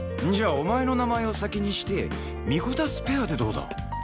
じゃあお前の名前を先にしてミコタツペアでどうだ？